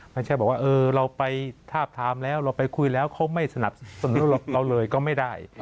ไม่ใช่บอกว่าเราไปทาบทามแล้วเราไปคุยแล้วเขาไม่สนับสนุนเราเลยก็ไม่ได้